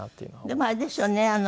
でもあれですよね。